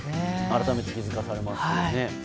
改めて気づかされますよね。